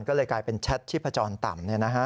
ก็เลยกลายเป็นแชตชีพจรต่ำนี่นะฮะ